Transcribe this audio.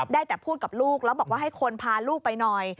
ได้แต่พูดกับลูกแล้วบอกว่าให้คนพาลูกไปหน่อย